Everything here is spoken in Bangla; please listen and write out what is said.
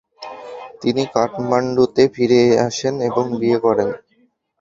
তিনি কাঠমান্ডুতে ফিরে আসেন এবং বিয়ে করেন।